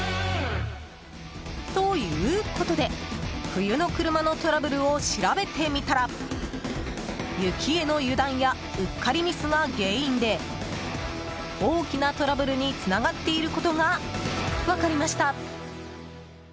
ということで冬の車のトラブルを調べてみたら雪への油断やうっかりミスが原因で大きなトラブルにつながっていることが分かりました。